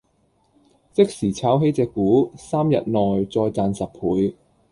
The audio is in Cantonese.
即時炒起隻股，三日內再賺十倍